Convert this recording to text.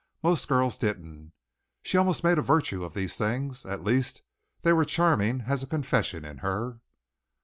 Most girls didn't. She almost made a virtue out of these thing at least they were charming as a confession in her.